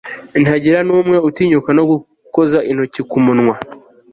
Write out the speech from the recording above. ntihagira n'umwe utinyuka no gukoza intoki ku munwa